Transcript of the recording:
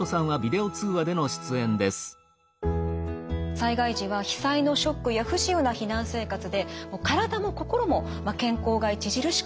災害時は被災のショックや不自由な避難生活で体も心も健康が著しく悪化してしまうんです。